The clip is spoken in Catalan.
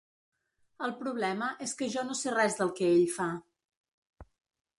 El problema és que jo no sé res del que ell fa.